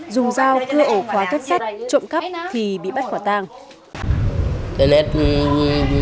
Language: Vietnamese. dùng dao cưa ổ khóa thất sách trộm cắp thì bị bắt khỏa tàng